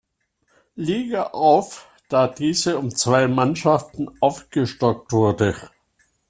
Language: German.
Liga auf, da diese um zwei Mannschaften aufgestockt wurde.